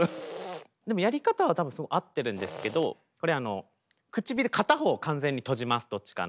でもやり方はたぶん合ってるんですけどこれ唇片方を完全に閉じますどっちかのを。